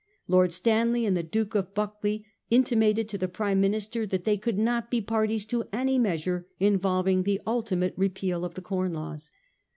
Lord Stanley and the Duke of Buc cleuch intimated to the Prime Minister that they could not be parties to any measure involving the ultimate repeal of the Corn Laws.